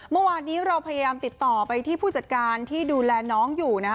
เมื่อวานนี้เราพยายามติดต่อไปที่ผู้จัดการที่ดูแลน้องอยู่นะคะ